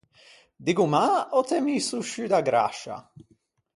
Diggo mâ ò t’æ misso sciù da grascia?